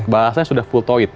bahasanya sudah fulltoit